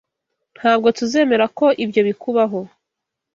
Ntabwo tuzemera ko ibyo bikubaho.